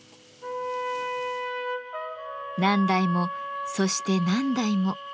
何代もそして何代も。